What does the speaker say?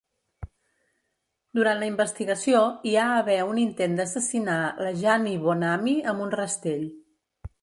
Durant la investigació, hi ha haver un intent d"assassinar la Jeannie Bonnamy amb un rastell.